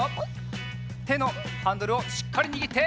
てのハンドルをしっかりにぎって！